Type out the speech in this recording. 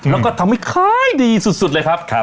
แล้วก็ทำให้ขายดีสุดเลยครับ